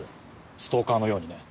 ストーカーのようにね。